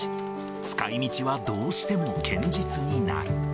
使いみちはどうしても堅実になる。